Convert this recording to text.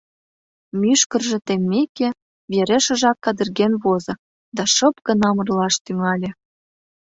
Мӱшкыржӧ теммеке, верешыжак кадырген возо да шып гына мырлаш тӱҥале.